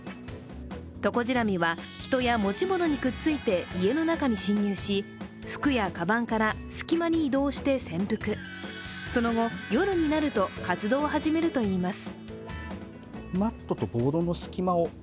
トコジラミは人や持ち物にくっついて家の中に侵入し、服やかばんから隙間に移動して潜伏その後、夜になると活動を始めるといいます。